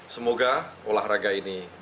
semoga olahraga ini berjaya